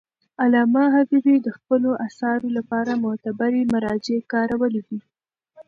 علامه حبیبي د خپلو اثارو لپاره معتبري مراجع کارولي دي.